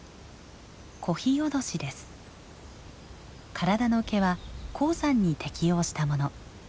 体の毛は高山に適応したもの。